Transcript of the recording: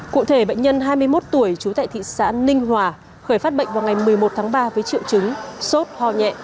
cụ thể bệnh nhân hai mươi một tuổi trú tại thị xã ninh hòa khởi phát bệnh vào ngày một mươi một tháng ba với triệu chứng sốt ho nhẹ